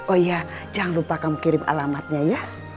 oh ya jangan lupa kamu kirim alamatnya ya